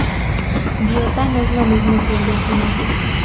Biota no es lo mismo que biocenosis.